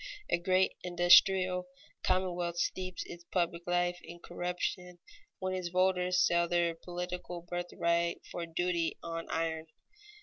A great industrial commonwealth steeps its public life in corruption when its voters sell their political birthright for a duty on iron.